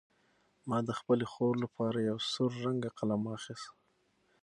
ما د خپلې خور لپاره یو سور رنګه قلم واخیست.